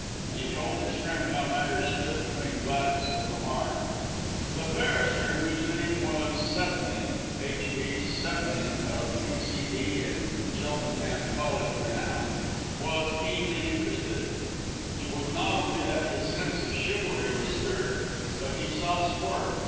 And he told his friend how matters stood between Gladys and Hamar. The barrister whose name was Sevenning H.V. Sevenning, of T.C.D. and Cheltenham College renown was keenly interested. It was not only that his sense of chivalry was stirred, but he saw sport.